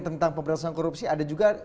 tentang pemberantasan korupsi ada juga